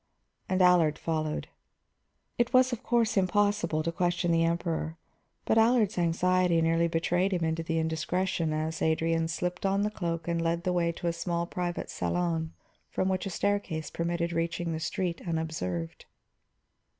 And Allard followed. It was, of course, impossible to question the Emperor, but Allard's anxiety nearly betrayed him into the indiscretion as Adrian slipped on the cloak and led the way to a small private salon from which a staircase permitted reaching the street unobserved.